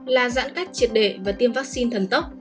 là giãn cách triệt đệ và tiêm vaccine thần tốc